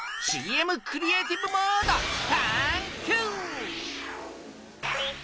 ＣＭクリエイティブモード！タンキュー！